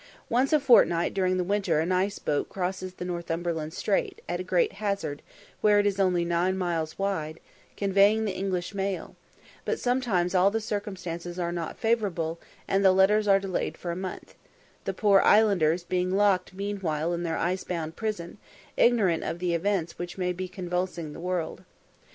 Once a fortnight during the winter an ice boat crosses Northumberland Strait, at great hazard, where it is only nine miles wide, conveying the English mail; but sometimes all the circumstances are not favourable, and the letters are delayed for a month the poor islanders being locked meanwhile in their icebound prison, ignorant of the events which may be convulsing the world.